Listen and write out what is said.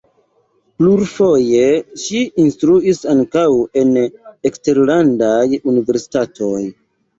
Plurfoje ŝi instruis ankaŭ en eksterlandaj universitatoj.